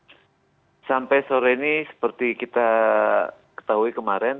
ya sampai sore ini seperti kita ketahui kemarin